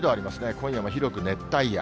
今夜も広く熱帯夜。